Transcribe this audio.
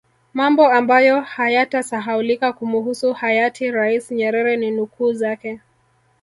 Mambo ambayo hayatasahaulika kumuhusu Hayati rais Nyerere ni nukuu zake